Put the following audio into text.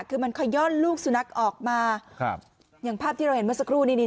คือมันขย่อนลูกสุนัขออกมาครับอย่างภาพที่เราเห็นเมื่อสักครู่นี้